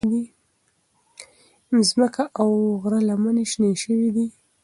مځکه او غره لمنې شنې شوې دي.